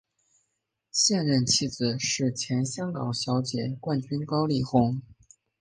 现任妻子是前香港小姐冠军高丽虹。